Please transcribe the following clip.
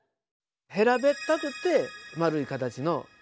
平べったくて丸い形の石